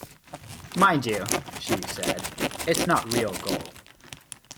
Mind you, she said, it's not real gold.